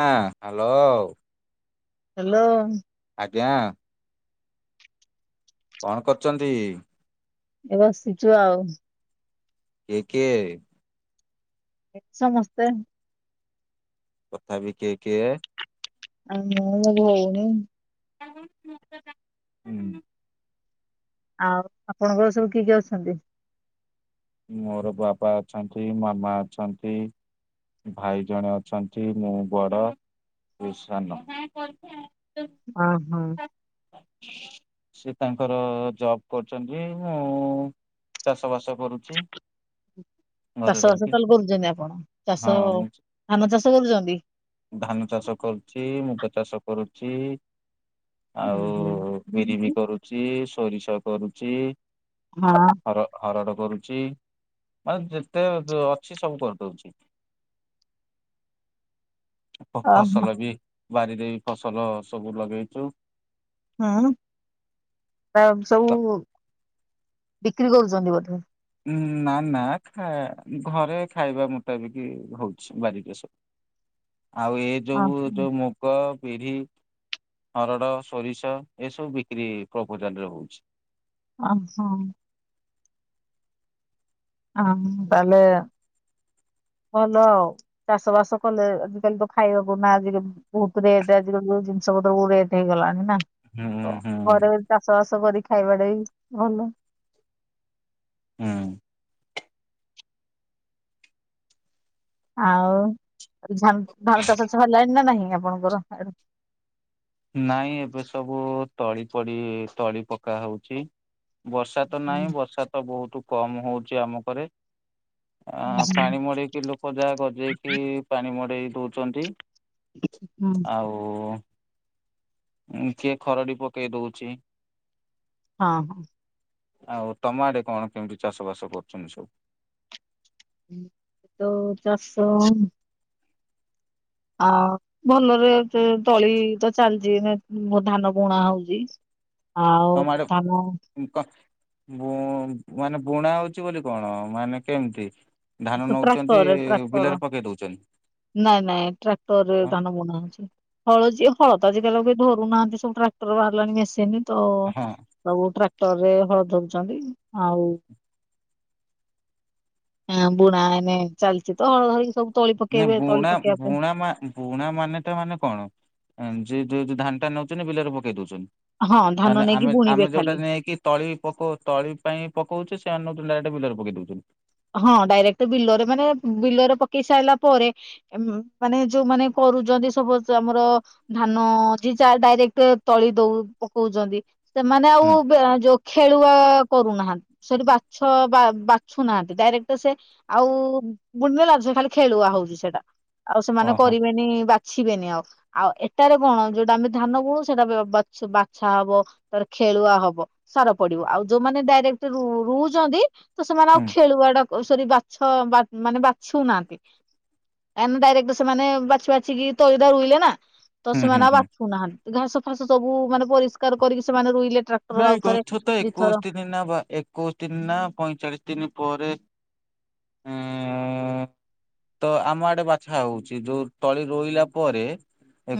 ହଁ hello. Hello. ଆଜ୍ଞା। କଣ କରୁଛନ୍ତି? ବସିଚି ଆଉ। କିଏ କିଏ? ସମସ୍ତେ। ତଥାବି କିଏ କିଏ? [unintelligible] ହୁଁ। ଆଉ ଆପଣଙ୍କର ସବୁ କିଏ କିଏ ଅଛନ୍ତି? ମୋର ବାପା ଅଛନ୍ତି। ମାମା ଅଛନ୍ତି। ଭାଇ ଜଣେ ଅଛନ୍ତି। ମୁଁ ବଡ ଓ ସାନ। ଓ ହୋ। ସେ ତାଙ୍କର ଜବ କରୁଛନ୍ତି। ମୁଁ ଚାଷ ବାସ କରୁ ହ ଚାଷ ବାସ ତାହଲେ କରୁଛନ୍ତି ଆପଣ ହଁ ଚାଷ ମୁଁ ଧାନ ଚାଷ କରୁଛନ୍ତି? ଧାନ ଚାଷ କରୁଛି। ମୁଗ ଚାଷ କରୁଛି। ଚି ଆଉ ଓହୋ। ବିରି ବି କରୁଛି। ସୋରିଷ କରୁଛି ହଁ ହର ହରଡ଼ କରୁଛି। ଚି ମାନେ ଯେତେ ଅଛି ସବୁ କରିଦଉଛି। ହଁ ଓହୋ ଫସଲ ବି ବାରିରେ ବି ଫସଲ ସବୁ ଲଗେଇଚୁ। ହୁଁ ଆ ସବୁ ବିକ୍ରି କରୁଛନ୍ତି ବୋଧେ? ଉଁ ନା ନା ଘରେ ଖାଇବା ମୁତାବିକି ହଉଛି ବାରି ରେ ସବୁ। ଆଉ ଏ ଯୋଉଁ ଓହୋ ଯୋଉଁ ମୁଗ ବିରି ହରଡ଼ ସୋରିଷ ଏସବୁ ବିକ୍ରି ପ୍ରପୋଜାଲରେ ହଉଛି। ଓ ହୋ। ହଁ ତାହାଲେ ହଁ ଭଲ ଆଉ ଚାଷ ବାସ କଲେ ଆଜିକାଲି ତ ଖାଇବାକୁ ନା ଆଜିବି ବହୁତ ରେଟ ଆଜିକାଲ ଜିନିଷ [unintelligible] ହୁଁ ହୁଁ ଘରେ ଚାଷ ବାସ କରି ଖାଇବାଟେ ବି ଭଲ। ହୁଁ। ଆଉ ଧା-ଧାନ ଚାଷ [unintelligible] ହେଲାଣି ନା ନାହିଁ ଆପଣଙ୍କର? ନାଇଁ ଏବେ ସବୁ ବର୍ଷା ତ ନାହିଁ ବର୍ଷା ତ ବହୁତ କମ ହଉଛି ଆମକରେ। ଆ ପାଣି ମଡେଇକି ଲୋକ ଯାହା ଗଜେଇକି ପାଣି ମଡେଇ ଦଉଛନ୍ତି। ହୁଁ ଆଉ କିଏ ଖରଡି ପକେଇ ଦଉଛି। ହଁ। ଆଉ ତମ ଆଡେ କଣ କେମିତି ଚାଷ ବାସ କରୁଛନ୍ତି ସବୁ? ତ ଚାଷ ଆ ଭଲରେ ତ-ତଳି ତ ଚାଲିଛି ଧାନ ବୁଣା ହଉଛି। ଆଉ ଧାନ ଉଁ ମାନେ ବୁଣା ହଉଛି ବୋଲି କଣ ମାନେ କେମିତି? ଧାନ ନଉଛନ୍ତି ଟ୍ରାକ୍ଟରରେ ଟ୍ରାକ୍ଟର। ବିଲରେ ପକେଇ ଦଉଛନ୍ତି ନାଇଁ ନାଇଁ ଟ୍ରାକ୍ଟର ହଁ ଧାନ ବୁନା ଅଛି। ହଳ ଯୀ ହଳ ତ ଆଜିକାଲି କେଇ ଧରୁନାହାନ୍ତି। ସବୁ ଟ୍ରାକ୍ଟର ବାହାରିଲାଣି ମେସିନ୍ ତ ହଁ ସବୁ ଟ୍ରା ତରେ ହଳ ଧଉଛନ୍ତି ଆଉ ହଁ ବୁଣା ଏଇନେ ଚାଲିଚ ତ ହଳଦ ଧରିକି ସବୁ ତଳି ନା ପକେଇବେ ତଳି ବୁଣା ପକେଇବା ପାଇଁ ବୁଣା ମା ବୁଣା ମାନେତା ମାନେ କଣ? ସେ ଯଉ ଧାନ ଟା ନେଉଛନ୍ତି ବିଲରେ ପକେଇ ଦଉଛନ୍ତି। ହଁ ଧାନ ମାନେ ନେଇକି ଆମେ ବୁଣିବେ ଆମେ ଖାଲି। ଯୋଉଟା ନେଇକି ତଳି ପକଉ ତଳି ପାଇଁ ପକଉଛେ [unintelligible] ବିଲର ପକେଇଦଉଛନ୍ତି। ହଁ ଡାଇରେକ୍ଟ ବିଲରେ ମାନେ ବିଲରେ ପକେଇ ସାରିଲା ପରେ ମାନେ ଯୋଉ ମାନେ କ କରୁଚନ୍ତି ସପୋଜ ଆମର ଧାନ ଯିଏ ଚା ଡାଇରେକ୍ଟ ତଳି ଦଉ ପକଉଛନ୍ତି। ସେମାନେ ଆଉ ହୁଁ ଯୋଉ ଖେଳୁଆ କରୁନାହାନ୍ତି ସେଠି ବାଛ ବା-ବାଛୁନାହାନ୍ତି। ଡାଇରେକ୍ଟ ସେ ଆଉ ମୁୁଣ୍ଡ [unintelligible] ଖାଲି ଖେଳୁଆ ହଉଛି ସେଇଟା। ଆଉ ସେମାନେ ଓହୋ କରିବେନି ବାଛିବେନି ଆଉ। ଆଉ ଏଟାରେ କଣ ଯୋଉଟା ଆମେ ଧାନ ଗୁଣୁ ସେଟା ବାଛ -ବାଛା ହବ ତାର ଖେଳୁଆ ହବ। ସାର ପଡିବ ଆଉ ଯୋଉମାନେ ଡାଇରେକ୍ଟ ରୁ-ରହୁଛନ୍ତି ତ ସେମାନେ ଆଉ ହୁଁ ଖେଳୁଡା ଓସରି ବାଛ ବା ମାନେ ବାଛୁ ଉନାହାନ୍ତି। କାହିଁକି ନା ଡାଇରେକ୍ଟ ସେମାନେ ବାଛି ବାଛି କିି ତଳିଟା ରୁଇଲେ ନା। ତ ହୁଁ ସେମାନେ ହୁଁ ଆଉ ହୁଁ। ବାଛୁନାହାନ୍ତି [unintelligible] ସବୁ ମାନେ ଟ୍ରାକ୍ଟର ଆଉ ନାଇଁ ଥରେ ଗଛ ତ ଏକୋଇଶି ଦିଥର ଦିନ ନା ବା ଏକୋଇଶି ଦିନ ନା ପଇଁଚାଳିଶ ଦିନ ପରେ ହୁଁ। ତ ଆମ ଆଡେ ବାଛା ହଉଛି ଯୋଉ ତଳି ରୋଇଲା ପରେ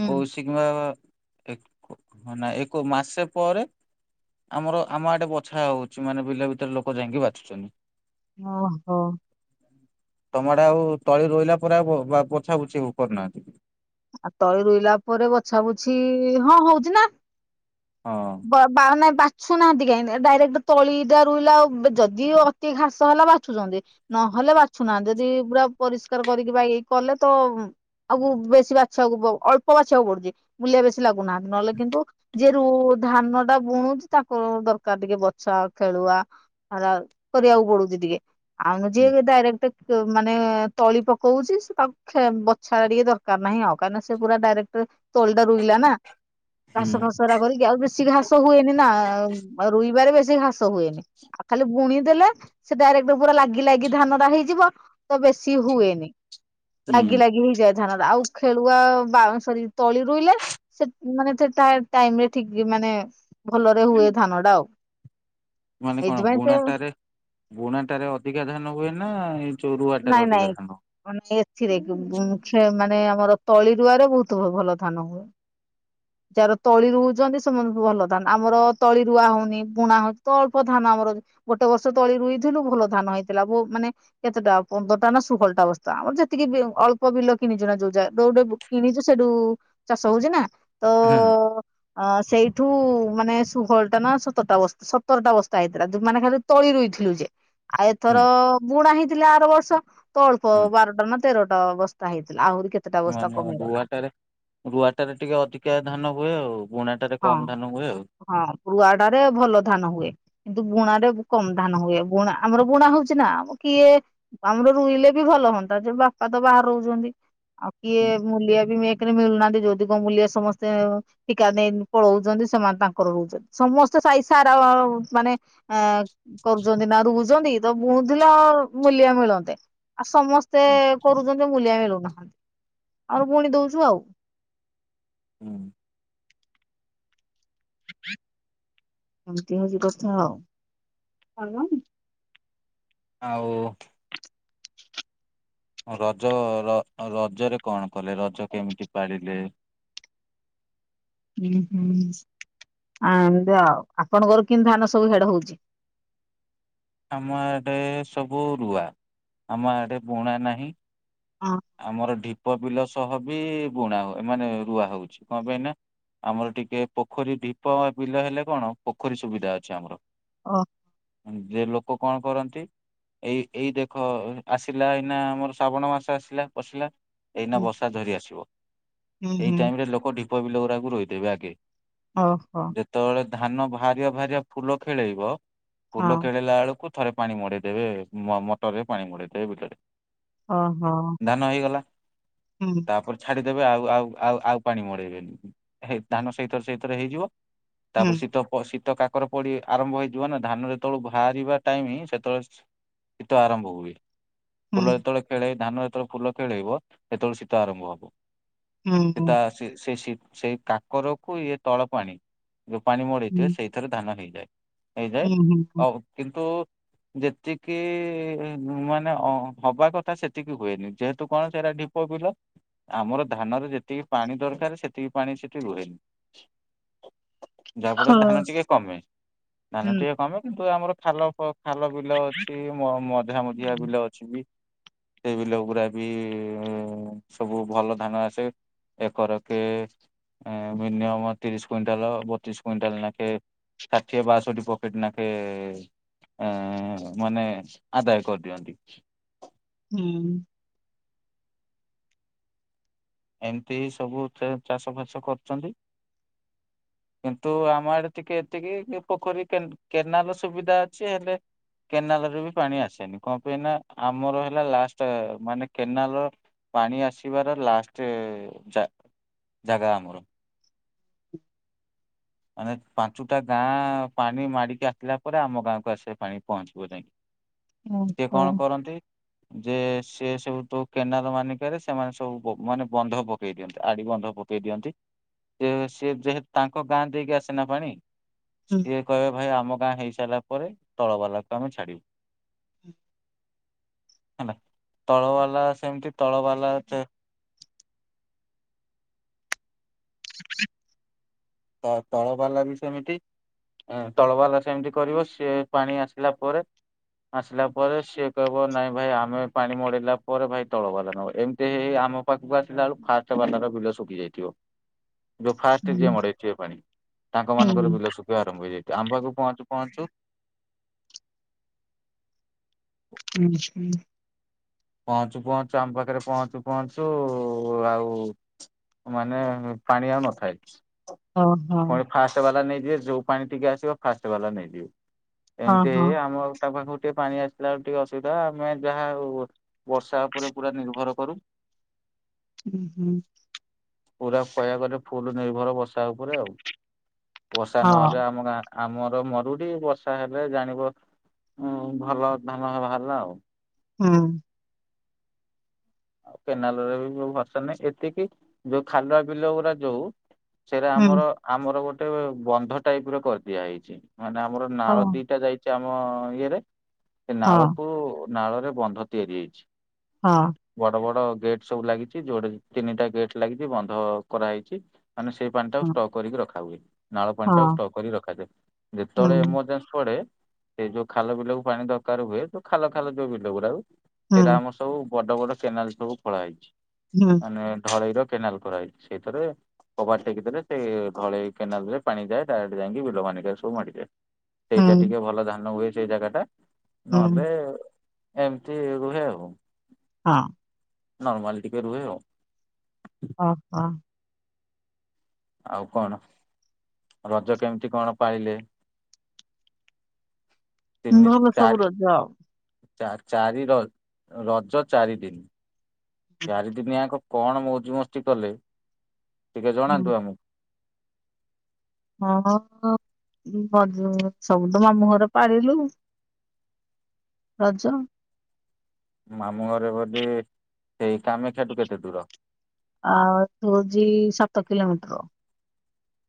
ହୁଁ। କିମ୍ବା ଏକ ନାଁ ମାସେ ପରେ। ଆମର ଆମ ଆଡେ ବଛା ହଉଛି ମାନେ ବିଲ ଭିତରେ ଲୋକ ଯାଇକି ବାଛୁଛନ୍ତି। ଓ ହୋ। ତମ ଆଡେ ଆଉ ତଳି ରୋଇଲା ପରେ ଆଉ ପୋଛା ପୋଛି କରୁନାହାନ୍ତି। ଆଉ ତଳି ରୋଇଲା ପରେ ବଛାବୁଛି ହଁ ହଉଛି ନା। ହଁ। ବ ବାଉ ବା ଶୁଣୁନାହାନ୍ତି କାହିଁକି ଡାଇରେକ୍ଟ ତଳିଟା ରୋଇଲ ଆଉ ଯଦି ଅତି ଘାସ ହେଲା ବାଛୁଛନ୍ତି ନହଲେ ନହଲେ ବାଛୁନାହାନ୍ତି ଯଦି ପୁରା ପରିଷ୍କାର କରିକି କଲେ ତ ଆଉ ବେଶୀ ବାଛୁ ଅଳ୍ପ ବାଛିଆକୁ ପଡୁଛି ମୁଲିଆ ବେଶୀ ଲାଗୁନାହାନ୍ତି ନହେଲେ କିନ୍ତୁ ଯିଏ ରୁ ଧାନଟା ବୁଣ ହଁ ତାଙ୍କ ଦରକାର ଟିକେ ବଛା ଖେଳୁଆ କରିବାକୁ ପଡୁଛି ଟିକେ। ଆମ ହୁଁ ଯିଏ ଡାଇରେକ୍ଟ୍ ମାନେ ତଳି ପକଉଛି ସେ ତାକୁ ବଛାଟା ଟିକେ ଦରକାର ନାହିଁ ଆଉ। କାହିଁକିନା ସେ ପୁରା ଡାଇରେକ୍ଟ ତୋଳି ଟା ରୋଇିଲା ନା ଘାସ ହୁଁ ଫାସଟା କରିକି ଆ ବେଶୀ ଘାସ ହୁଏନି। ନା ରୋଇବାରେ ବେଶ ଘାସ ହୁଏନି ଆଉ ଖାଲି ବୁଣି ଦେଲେ ସେ ଡାଇରେକ୍ଟ୍ ପୁରା ଲାଗି ଲାଗି ଧାନ ଟା ହେଇଯିବ ତ ବେଶି ହୁଏନି ଲାଗି ହୁଁ ଲାଗି ହେଇଯାଏ ଧାନ ଆଉ ଖେଳୁଆ ସରି ତଳି ରୋଇଲେ ସେ ମାନେ ସେ ଟାଇମରେ ଠିକ୍ ମାନେ ଭଲରେ ହୁଏ ଧାନ ଟା ଆଉ ମାନେ କଣ ଏଇଥିପାଇଁ ସେ ବୁଣାଟାରେ ବୁଣାଟାରେ ଅଧିକା ଧାନ ହୁଏ ନା ଏ ରୁଆଟାରେ ଅଧିକା ଧାନ ହୁଏ। ରେ ମାନେ ଆମର ତଳି ରୁଆରେ ବହୁତ ଭଲ ଧାନ ହୁଏ। ଯାହାର ତଳି ରୁହୁଛନ୍ତି ସେମାନଙ୍କୁ ଭଲ ଧାନ ଆମର ତଳି ରୁଆ ହଉନି ବୁଣା ହଉ ଅଳପ ଧାନ। ଆମର ଗୋଟେ ବର୍ଷ ତଳେ ରୁଇଥିଲୁ ଭଲ ଧାନ ହେଇଥିଲା ବ ମାନେ କେତେଟା ପନ୍ଦରଟା ନା ଷୋହଳ ଟା ବସ୍ତା ତ ଆମର ଯେତିକି ଅଳ୍ପ ବିଲ କିଣିଛୁ ନା ଯୋଉ ଯୋଉଠୁ କିଣିଛୁ ସେଠୁ ଚାଷ ହଉଛି ନା। ତ ହୁଁ। ଅ ସେଇଠୁ ମାନେ ଷୋହଳ ଟା ନା ସତରଟା ବସ୍ତା ସତରଟା ବସ୍ତା ହେଇଥିଲା ମାନେ ଖାଲି ତଳି ରୋଇ ଥିଲୁ ଯେ ଆଉ ଏଥର ହୁଁ ବୁଣା ହେଇଥିଲା ଆର ବର୍ଷ ତ ଅଳ୍ପ ହୁଁ ବାରଟା ନା ତେରଟା ବସ୍ତା [unintelligible] ଥିଲା ଆ ନେ ରୁଆଟାରେ ରୁଆଟାରେ ଟିକେ ଅଧିକା ଧାନ ହୁଏ ଆଉ। ବୁଣାଟାରେ ହଁ କମ ଧାନ ହୁଏ ଆଉ। ହଁ ପୁଆଡରେ ଭଲ ଧାନ ହୁଏ। ବୁଣାରେ କମ ଧାନ ହୁଏ ବୁଣା ଆମର ବୁଣା ହଉଛି ନା କିଏ ଆମର ରୋଇଲେ ବି ଭଲ ହୁ ହଁ ଯେ ବାପା ତ ବାହାରେ ରହୁଛନ୍ତି। ଆଉ କିଏ ହୁଁ ମୁଲିଆବି ଏକରେ ମିଳୁନାହାନ୍ତି ମୁଲିଆବି ସମସ୍ତେ ଠିକା ନେଇ ପଳଉଛନ୍ତି ସେମାନେ ତାଙ୍କର ରୋହୁଛନ୍ତି ସମସ୍ତେ ସାଇ ସାରା ମାନେ ଅ କରୁଛନ୍ତି। ନା ରୋଉଛନ୍ତି ତ ବୁଣୁଥିଲ ମୁଲିଆ ମିଳନ୍ତେ। ଆଉ ସମସ୍ତେ ହୁଁ କରୁଛନ୍ତି ମୁୂଲିଆ ମିଳୁ ନାହାଁନ୍ତି। ଆଉ ପୁଣି ଦଉଛୁ ଆଉ। ହୁଁ। ଏମିତି ହଉଛି କଥା ଆଉ ଆଉ ରଜ ରଜରେ କଣ କଲେ ରଜ କେମିତି ପାରିଲେ। ହୂଁ ହୁଁ। ଆ ଏମତି ଆଉ ଆପଣଙ୍କର କେମିତି ଧାନ ସବୁ ଆଡେ ହଉଛି। ଆମ ଆଡେ ସବୁ ରୁଆ ଆମ ଆଡେ ବୁଣା ନାହିଁ। ଅ ଆମର ଢିପ ବିଲ ସହ ବି ବୁଣା ମାନେ ବି ରୁଆ ହଉଛି କଣ ପାଇଁ ନା ଆମର ଟିକେ ପୋଖରୀ ଢିପ ବିଲ ହେଲେ କଣ ପୋଖରୀ ସୁବିଧା ଅଛି ଆମର। ଓ ଯେ ଲୋକ କଣ କରନ୍ତି। ଏଇ ଏଇ ଦେଖ ଆସିଲା ଏଇନା ଆମର ଶ୍ରାବଣ ମାସ ଆସି ପସିଲା, ଏଇନା ହୁଁ ବର୍ଷା ଝରି ଆସିବ। ହୁଁ ଏଇ ହୁଁ। ଟାଇମ ରେ ଲୋକ ଢି ପ ବିଲ ଗୁରାକୁ ରୋଇଦେବେ ଆଗେ। ଓହୋ। ଯେତେବେଳେ ଧାନ ବାହାରିଆ ବାହାରିଆ ଫୁଲ ଖେଳେଇବ, ଫୁଲ ହଁ ଖେଲେଇଲା ବେଳକୁ ଥରେ ପାଣି ମଡେଇଦେବେ ମ ମଟର ରେ ପାଣି ମଡେଇଦେବେ ବିଲରେ। ହଁ। ଧାନ ହେଇଗଲା, ତାପରେ ଛାଡି ଦେବେ ଆଉ ଆଉ ଆଉ ଆଉ ପାଣି ମଡେଇବେନି, ଧାନ ସେଇଥର ସେଇଥରେ ହେଇଯିବ। ହୁଁ ତାପରେ ଶୀତ ପ ଶୀତ କା କର ପଡି ଆରମ୍ଭ ହେଇଯିବ ନା, ଧାନ ଯେତେବେଳେ ବାହାରିବା ଟାଇମ ହିଁ ସେତେବେଳେ ଶୀତ ଆରମ୍ଭ ହୁଏ। ହୁଁ ଫୁଲ ଯେତେବେଳେ ଖେଳେଇ ଧାନ ଯେତେବେଳେ ଫୁଲ ଖେଳେଇବ, ସେତେବେଳେ ଶୀତ ଆରମ୍ଭ ହବ। ହୁଁ ହୁଁ ସେଟା ସେ ସେ ସେଇ କାକରକୁ ଇଏ ତଳ ପାଣି ଯୋଉ ପାଣି ମଡେଇଥିବେ ହୁଁ ସେଇଥିରେ ଧାନ ହେଇଯାଏ। ହେଇଯାଏ ହୁଁ ହୁଁ। ହଉ, କିନ୍ତୁ ଯେତିକି, ମାନେ ଅ ହବା କଥା ସେତିକି ହୁଏନି। ଯେହେତୁ କଣ ସେଇଟା ଢିପ ବିଲ ଆମର ଧାନରେ ଯେତିକି ପାଣି ଦରକାର ସେତିକି ପାଣି ସେଠି ରୁହେନି। ଯାହାଫଳରେ ଧାନ ଟିକେ କମେ, ଧାନ ହୁଁ ଟିକେ କମେ କିନ୍ତୁ ଆମର ଖାଲ ଖାଲ ବିଲ ଅଛି, ମଝା ହଁ ମଝିଆ ହୁଁ। ବିଲ ଅଛି ବି। ସେଇ ବିଲ ଗୁରା ବି ସବୁ ଭଲ ଧାନ ଆସେ। ଏକରକେ ମିନିୟମ ତିରିଶ କୁଇଣ୍ଟାଲ ବତିଶ କୁଇଣ୍ଟାଲ ନଖେ ଷାଠିଏ ବାଷଠି ପକେଟ ନାଖେ ଆ ମାନେ ଆଦାୟ କରିଦିଅନ୍ତି। ହୁଁ। ଏମିତି ସବୁ ଚାଷ ଫାସ କରୁଛନ୍ତି। କିନ୍ତୁ ଆମ ଆଡେ ଟିକେ ଏତିକି କି ପୋଖରୀ କେ କେନାଲ ସୁବିଧା ଅଛି ହେଲେ କେନାଲ ରେ ବି ପାଣି ଆସେନି। କଣ ପାଇଁ ନା ଆମର ହେଲା ଲାଷ୍ଟ ମାନେ କେନାଲ ପାଣି ଆସିବାର ଲାଷ୍ଟ ଜା ଜାଗା ଆମର। ମାନେ ପାଞ୍ଚୁଟା ଗାଁ ପାଣି ମାଡିକି ଆସିଲା ପରେ ଆମ ଗାଁକୁ ଆସ ପାଣି ପହଞ୍ଚିବ ଯାଇକି। ସିଏ କଣ ଓହୋ। କରନ୍ତି ଯେ ସେ ସବୁ ତୋ କେନାର ମାନିକାରେ ସେମାନେ ସବୁ ମାନେ ବନ୍ଧ ପକେଇ ଦିଅନ୍ତି। ଆଡି ବନ୍ଧ ପ ପକେଇ ଦିଅନ୍ତି। ଯେ ସ ଯେହତୁ ତାଙ୍କ ଗାଁ ଦେଇକି ଆସେନା ପାଣି, ହୁଁ ସିଏ କହିବେ ଭାଇ ଆମ ଗାଁ ହେଇ ସରିଲା ପରେ ତଳବାଲାକୁ ଆମେ ଛାଡ଼ିବୁ। ହେଲା। ତଳ ବାଲା ସେମିତି ତଳ ବାଲା [inaudible] ତ ତଳ ବାଲା ବି ସେମିତି ତଳବାଲା ସେମିତି କରିବ। ସିଏ ପାଣି ଆସିଲା ପରେ ଆସିଲା ପରେ ସିଏ କହିବ ନାଇଁ ଭାଇ ଆମେ ପାଣି ମଡେଇଲା ପରେ ଭାଇ ତଳ ବାଲା ନବ। ଏମିତି ହେଇ ହେଇ ଆମ ପାଖକୁ ଆସିଲା ବେଳକୁ ଫାଷ୍ଟ ବାଲାର ବିଲ ଶୁଖି ଯାଇଥିବ। ଯୋଉ ଫାଷ୍ଟ ହୁଁ ଯିଏ ମଡେଇଥିବେ ପାଣି, ତାଙ୍କ ହୁଁ ମାନଙ୍କର ବିଲ ଶୁଖିବା ଆରମ୍ଭ ହେଇଯାଇ ଆମ ପାଖକୁ ପହଞ୍ଚୁ ପହଞ୍ଚୁ ଉ ହୁଁ। ପହଞ୍ଚୁ ପହଞ୍ଚୁ, ଆମ ପାଖରେ ପହଞ୍ଚୁ ପହଞ୍ଚୁ ଆଉ ମାନେ ପାଣି ଆଉ ନଥାଏ। ଓହୋ ପୁଣି ଫାଷ୍ଟ ବାଲା ନେଇଯିବେ, ଯୋଉ ପାଣି ଟିକେ ଆସିବ ଫାଷ୍ଟ ବାଲା ନେଇଯିବେ। ହଁ ଏମିତି ହେଇ ହଁ। ହେଇ ଆମ ଆଉ ତା ଟିକେ ପାଣି ଆସିଲା ଟିକେ ଅସୁବିଧା ଆମେ ଯାହା ହଉ ବର୍ଷା ଉପରେ ପୁରା ନିର୍ଭର କରୁ। ହୁଁ ହୁଁ। ପୁରା କହିବାକୁ ଗଲେ ଫୁଲ ନିର୍ଭର ବର୍ଷା ଉପରେ ଆଉ। ବର୍ଷା ହଁ। ନହେଲେ ଆମ ଗାଁ ଆମର ମରୁଡି ବର୍ଷା ହେଲେ ଜାଣିବ ଉ ଭଲ ଧାନ ହେଇ ବାହାରଲା ଆଉ। ହଁ। ଆଉ କେନାଲରେ ବି ଭରସା ନାହି ଏତିକି ଯୋଉ ଖାଲୁଆ ବିଲ ଗୁଡା ଯୋଉ ସେଇଟା ହୁଁ। ଆମର ଆମର ଗୋଟେ ବନ୍ଧ ଟାଇପ ର କରିଦିଆ ହେଇଛି। ମାନେ ଆମର ହଁ ନାଳ ଦିଟା ଯାଇଛି ଆମ ଇଏରେ ସେ ହଁ ନାଳକୁ ନାଳରେ ବନ୍ଧ ତିଆରି ହେଇଛି। ହଁ। ବଡ ବଡ ଗେଟ୍ ସବୁ ଲାଗିଛି ଯୋଉଟା ତିନିଟା ଗେଟ ଲାଗିଛି ବନ୍ଧ କରାହେଇଛି। ମାନେ ସେଇ ପାଣି ଟାକୁ ହଁ। ଷ୍ଟକ୍ କରିକି ରଖା ହୁଏ। ନାଳ ପାଣି ଟାକୁ ହଁ। ଷ୍ଟକ୍ କରି ରଖାଯାଏ ହୁଁ ଯେତେବେଳେ ଏମରଜେନ୍ସି ପଡେ ସେ ଯୋଉ ଖାଲ ବିଲକୁ ପାଣି ଦରକାର ହୁଏ ଯୋଉ ଖାଲ ଖାଲ ଯୋଉ ବିଲ ଗୁଡାକ ସେଇଟା ହୁଁ ଆମର ସବୁ ବଡ ବଡ କେନାଲ ସବୁ ଖୋଳାହେଇଛି ହୁଁ ମାନେ ଢଳେଇ ର କେନାଲ ଖୋଳାହେଇଛି ସେଇଥିରେ କବାଟ ଟେକି ଦେଲେ ସେଇ ଧଳେଇ କେନାଲ ରେ ପାଣି ଯାଏ ଡାଇରେକ୍ଟ୍ ଯାଇକି ବିଲ ମାନିକ ରେ ସବୁ ମାଡିଯାଏ। ସେଇଟା ହୁଁ। ଟିକେ ଭଲ ଧାନ ହୁଏ ସେଇ ଜାଗା ଟା ହୁଁ ଏମିତି ରୁହେ ଆଉ। ହଁ। ନର୍ମାଲ ଟିକେ ରୁହେ ଆ ଓ ହ। ଆଉ କଣ ରଜ କେମିତି କଣ ପାଳିଲେ? [inaudible] ଭଲ ସବୁ ଚାରି ରଜ। ଚାରି ର ରଜ ଚାରି ଦିନ ଚାରି ଦିନ ୟାକ କଣ ମୋଜ ମସ୍ତି କଲେ ଟିକେ ହୁଁ ଜଣାନ୍ତୁ ଆମକୁ? ହଁ [unintelligible] ସବୁ ତ ମାମୁଁ ଘରେ ପାଳିଲୁ। ରଜ। ମାମୁଁ ଘରେ ବୋଧି ସେଇ କାମାକ୍ଷାଠୁ କେତେ ଦୂର ଅ ତୁଜି ସାତ କିିଲୋମିଟର।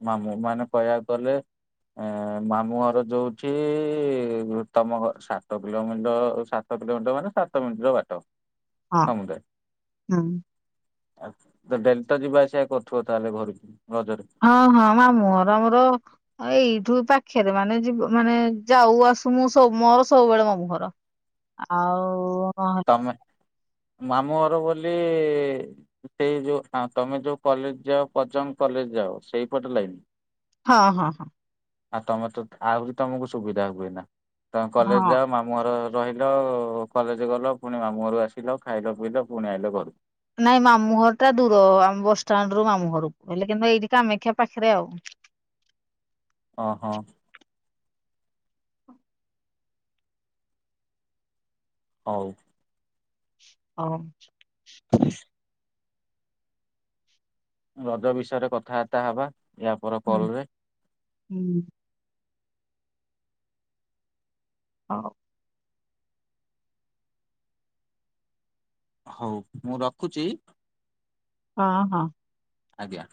ମାମୁଁ ମାନେ କହିବାକୁ ଗଲେ ଏଁ ମାମୁ ଘର ଯୋଉଠି ତମ ଘ ସାତ କିଲୋମିଟର ସାତ [unintelligible] ଟ ମାନେ ସାତ ମିନିଟର ବାଟ। ହଁ ହୁଁ। ଆ ତ ଡେଲଟା ଯିବା ଆସିବା କରୁଥିବ ତାହେଲେ ଘରକୁ? ରଜରେ ହଁ ହଁ। ମାମୁ ଘର ଆମର ର ସବୁବେଳେ ମାମୁ ଘର ଆଉ ନହେଲେ ତମେ ମାମୁଁ ଘର ବୋଲି ସେଇ ଯୋଉ ହ ତମେ ଯୋଉ କଲେଜ ଯାଓ ପର୍ଯ୍ୟ କଲେଜ ଯାଅ ସେଇପଟେ ଲାଇନି। ହଁ ହଁ ହଁ। ଆଉ ତମେ ତ ଆହୁରି ତମକୁ ସୁବିଧା ହୁଏ ନା ତମେ କଲେଜ ହଁ। ଯାଅ ମାମୁଁ ଘର ରହିଲ କଲେଜ ଗଲ ପୁଣି ମାମୁଁ ଘରୁ ଆସିଲ ଖାଇଲ ପିଇଲ ପୁଣି ଆଇିଲ ଘରୁ। ନାଇଁ ମାମୁଁ ଘର ଟା ଦୂର ଆମ ବସଷ୍ଟାଣ୍ଡରୁୁ ମାମୁଁ ଘରକୁ ହେଲେ କିନ୍ତୁ ଏଇଠି କାମାକ୍ଷା ପାଖରେ ଆଉ। ଓ ହୋ। ହଉ। ହଁ। ରଜ ବିଷୟରେ କଥାବାର୍ତ୍ତା ହବା ୟା ପର ହୁଁ କଲ ରେ। ହୁଁ ହଁ। ହଉ ମୁଁ ରଖୁଛି। ହଁ ହଁ। ଆଜ୍ଞା।